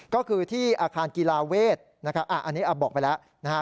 ก็คือที่อาคารกีฬาเวทนะครับอันนี้บอกไปแล้วนะฮะ